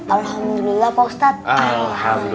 alhamdulillah pak ustadz